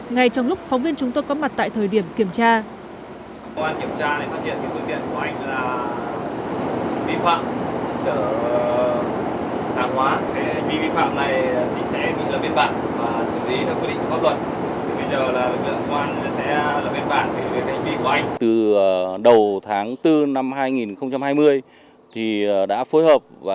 ngay trong lúc phóng viên chúng tôi có mặt tại thời điểm kiểm tra